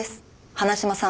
花島さん